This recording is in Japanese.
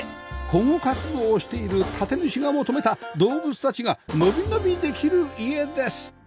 保護活動をしている建て主が求めた動物たちが伸び伸びできる家です